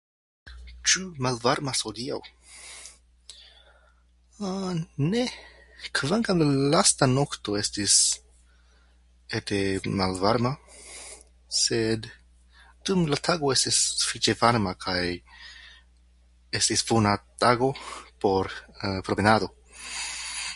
Ĉu malvarmas hodiaŭ? Ah... Ne. Kvankam lasta nokto estis ete malvarma, sed dum la tago estis sufiĉe varma kaj estis bona tago por promenado.